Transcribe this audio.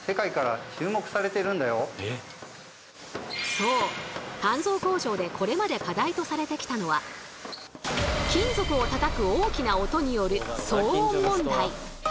そう鍛造工場でこれまで課題とされてきたのは金属を叩く大きな音による騒音問題。